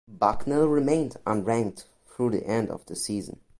Bucknell remained unranked through the end of the season.